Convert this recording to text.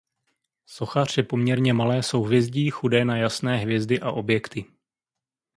Sochař je poměrně malé souhvězdí chudé na jasné hvězdy a objekty.